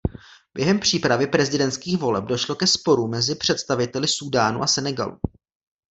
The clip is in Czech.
Během přípravy prezidentských voleb došlo ke sporům mezi představiteli Súdánu a Senegalu.